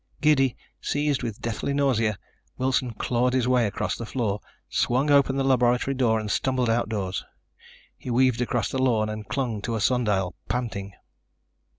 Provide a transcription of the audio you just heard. Giddy, seized with deathly nausea, Wilson clawed his way across the floor, swung open the laboratory door and stumbled outdoors. He weaved across the lawn and clung to a sun dial, panting.